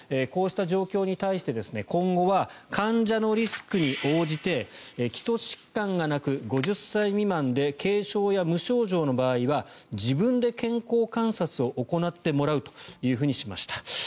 こうした状況に対して今後は患者のリスクに応じて基礎疾患がなく５０歳未満で軽症や無症状の場合は自分で健康観察を行ってもらうとしました。